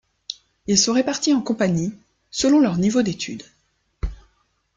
Ils sont répartis en compagnies, selon leur niveau d'étude.